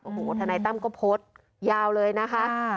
โอ้โหทนายตั้มก็โพสต์ยาวเลยนะคะ